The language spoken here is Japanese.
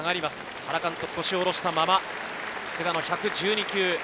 原監督、腰を下ろしたまま菅野１１２球。